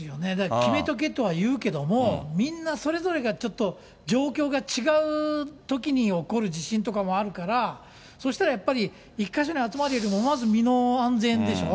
決めとけとは言うけども、みんなそれぞれがちょっと状況が違うときに起こる地震とかもあるから、そしたらやっぱり、１か所に集まるよりもまず身の安全でしょ。